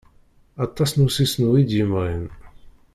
Aṭas n usisnu i d-yemɣin.